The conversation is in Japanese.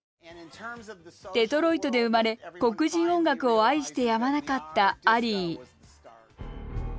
デトロイトで生まれ黒人音楽を愛してやまなかったアリー。